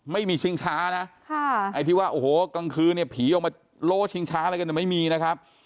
ชิงช้านะไอ้ที่ว่าโอ้โหกลางคืนเนี่ยผีออกมาโลชิงช้าอะไรกันเนี่ยไม่มีนะครับ